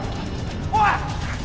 おい！